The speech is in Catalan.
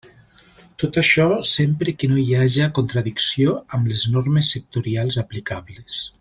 Tot això, sempre que no hi haja contradicció amb les normes sectorials aplicables.